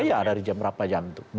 iya dari jam berapa jam itu